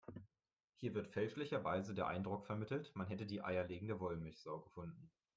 Hier wird fälschlicherweise der Eindruck vermittelt, man hätte die eierlegende Wollmilchsau gefunden.